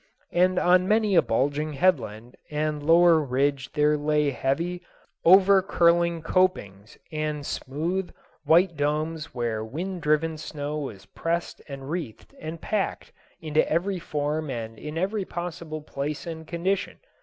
And on many a bulging headland and lower ridge there lay heavy, over curling copings and smooth, white domes where wind driven snow was pressed and wreathed and packed into every form and in every possible place and condition.